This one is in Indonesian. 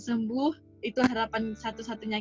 sembuh itu harapan satu satunya